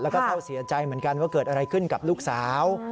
แล้วก็เศร้าเสียใจเหมือนกันว่าเกิดอะไรขึ้นกับลูกสาว